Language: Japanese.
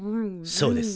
そうです